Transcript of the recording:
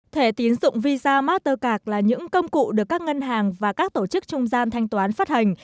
thẻ tín dụng visa mastercard là những công cụ được các ngân hàng và các tổ chức trung gian thanh toán phát hành